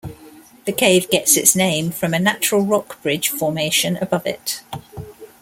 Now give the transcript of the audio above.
The cave gets its name from a natural rock bridge formation above it.